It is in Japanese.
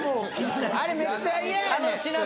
あれめっちゃ嫌やねん。